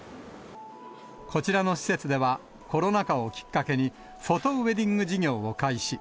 こちらの施設では、コロナ禍をきっかけに、フォトウエディング事業を開始。